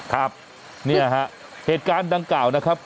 ครับเนี่ยฮะเหตุการณ์ดังกล่าวนะครับ